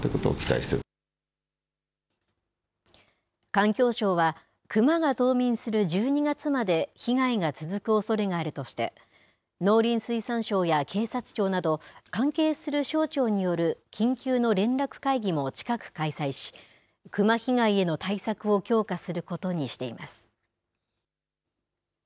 環境省は、クマが冬眠する１２月まで被害が続くおそれがあるとして、農林水産省や警察庁など、関係する省庁による緊急の連絡会議も近く開催し、クマ被害への対策を強化することにしています。